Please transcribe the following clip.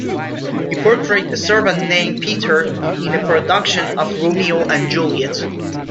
He portrayed a servant named Peter in a production of "Romeo and Juliet".